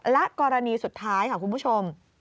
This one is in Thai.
และกรณีสุดท้ายค่ะคุณผู้ชม